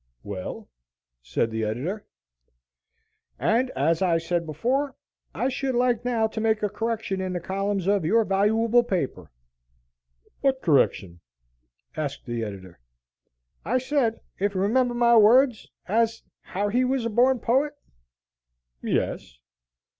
"Well?" said the editor. "And as I said before, I should like now to make a correction in the columns of your valooable paper." "What correction!" asked the editor. "I said, ef you remember my words, as how he was a borned poet." "Yes."